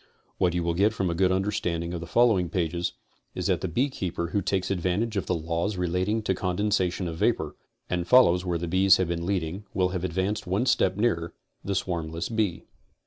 What you will get from a good understanding of the following pages is that the bee keeper who takes advantage of the laws relating to condensation of vapor, and follows where the bees have been leading will have advanced one step nearer the swarmless bee.